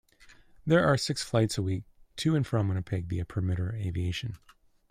There are six flights a week to and from Winnipeg via Perimeter Aviation.